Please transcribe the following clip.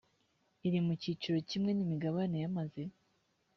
iri mu cyiciro kimwe n imigabane yamaze